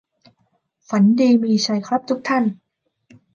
ฝันดีมีชัยครับทุกท่าน